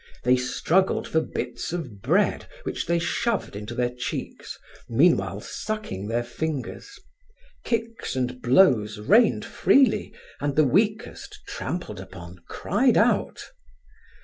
They struggled for bits of bread which they shoved into their cheeks, meanwhile sucking their fingers. Kicks and blows rained freely, and the weakest, trampled upon, cried out.